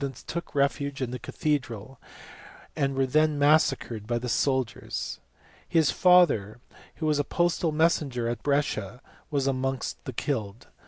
221 ants took refuge in the cathedral, and were there massacred by the soldiers. His father, who was a postal messenger at Brescia, was amongst the killed.